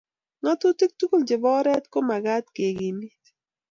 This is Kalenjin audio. ngatutik tugul chebo oret ko magat kekimit